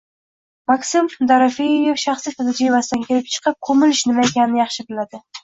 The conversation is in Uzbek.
Maksim Dorofeyev shaxsiy tajribasidan kelib chiqib, “ko‘milish” nima ekanini yaxshi biladi